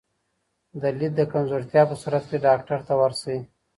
د لید د کمزورتیا په صورت کې ډاکټر ته ورشئ.